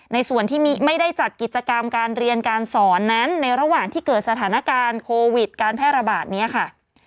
ในส่วนที่ไม่ได้จัดกิจกรรมการเรียนการสอนนั้นในระหว่างที่เกิดสถานการณ์โควิดการแพร่ระบาดนี้ค่ะ